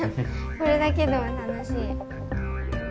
これだけでも楽しい。